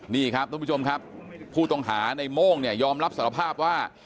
นี่ครับทุกผู้ชมครับผู้ต้องหาในโม่งเนี่ยยอมรับสารภาพว่า